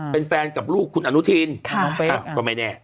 เป็นแฟนกับลูกคุณอนุทินก็ไม่แน่